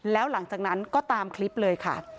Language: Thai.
แล้วหลังจากนั้นก็ตามคลิปเลยค่ะ